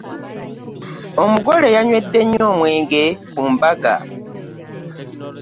Omugole yanywedde nnyo omwenge ku mbaga.